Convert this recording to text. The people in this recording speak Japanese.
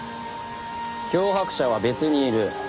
脅迫者は別にいる。